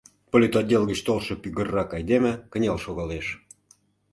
Политотдел гыч толшо пӱгыррак айдеме кынел шогалеш.